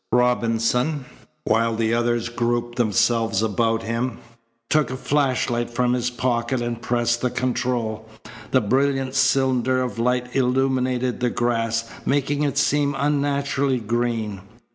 Robinson, while the others grouped themselves about him, took a flashlight from his pocket and pressed the control. The brilliant cylinder of light illuminated the grass, making it seem unnaturally green.